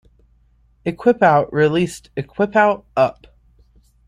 Equip'Out released "Equip'Out", "Up!